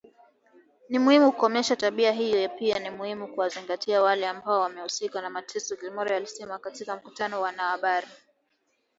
Ni muhimu kukomesha tabia hiyo pia ni muhimu kuwaangazia wale ambao wamehusika na mateso Gilmore alisema katika mkutano na wanahabari.